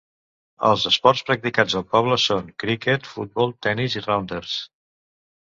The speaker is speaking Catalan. Els esports practicats al poble són criquet, futbol, tenis i rounders.